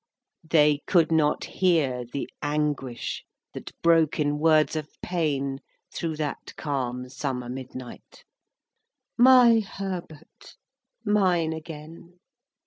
XVI. They could not hear the anguish That broke in words of pain Through that calm summer midnight,— "My Herbert—mine again!"